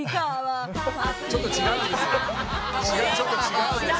ちょっと違うんですよ。